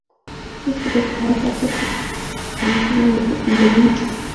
最初的符号在不同语言之间有不同的音值。